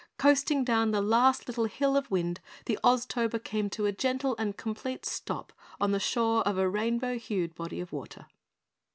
Coasting down the last little hill of wind, the Oztober came to a gentle and complete stop on the shore of a rainbow hued body of water.